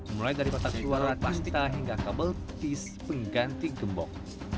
mulai dari kotak suara pasta hingga kabel tis pengganti gembok